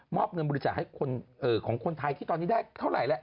มอบเงินบุริษัทของคนไทยที่ตอนนี้ได้เท่าไรแล้ว